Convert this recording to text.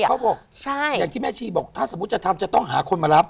เขาบอกอย่างที่แม่ชีบอกถ้าสมมุติจะทำจะต้องหาคนมารับ